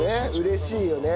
嬉しいよね。